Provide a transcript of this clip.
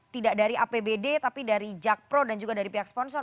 tidak dari apbd tapi dari jakpro dan juga dari pihak sponsor